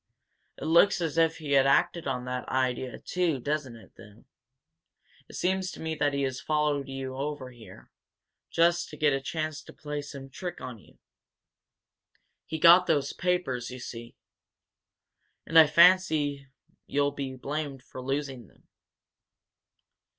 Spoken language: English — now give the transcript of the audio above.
"It looks as if he had acted on that idea, too, doesn't it, then? It seems to me that he has followed you down here, just to get a chance to play some trick on you. He got those papers, you see. And I fancy you'll be blamed for losing them."